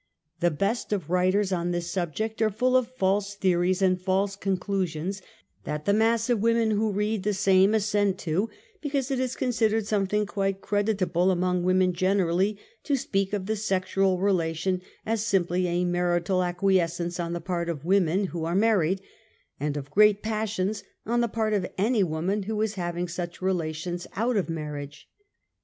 The best of writers on this subject are full of false theories, and false conclusions that the mass of women who read the same assent to, because it is considered some thing quite creditable among women generally to r speak of the sexual relation as simply a marital ac quiesance on the part of women who are married, and of great passions on the part of any woman who is having such relations out of marriage.